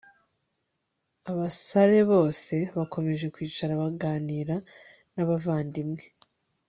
abasare bose bakomeje kwicara baganira n abavandimwe